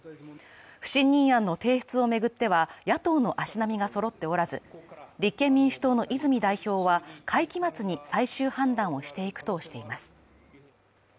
不信任案の提出を巡っては、野党の足並みがそろっておらず、立憲民主党の泉代表は、会期末に最終判断をしていくとしています。